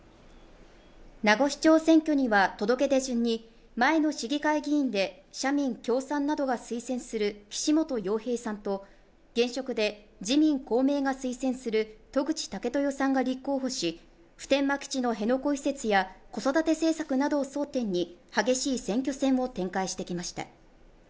名護市長選挙には届け出順に、前の市議会議員で社民・共産などが推薦する岸本洋平さんと現職で自民・公明が推薦する渡具知武豊さんが立候補し普天間基地の辺野古移設や子育て政策などを争点に激しい選挙戦を展開してきました。